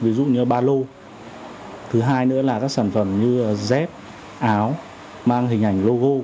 ví dụ như ba lô thứ hai nữa là các sản phẩm như dép áo mang hình ảnh logo